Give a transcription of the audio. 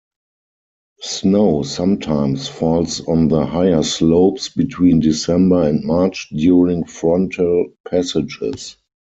Snow sometimes falls on the higher slopes between December and March during frontal passages.